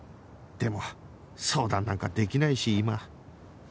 でも相談なんかできないし今